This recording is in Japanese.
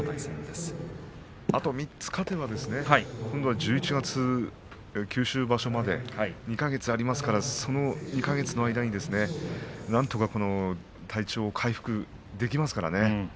あと３つ勝てば１１月の九州場所まで２か月ありますからその間に、なんとか体調を回復できますからね。